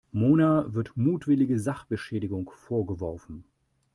Mona wird mutwillige Sachbeschädigung vorgeworfen.